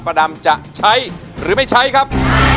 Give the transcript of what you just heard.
ดำจะใช้หรือไม่ใช้ครับ